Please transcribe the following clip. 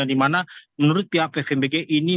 dimana menurut pihak pvmbg ini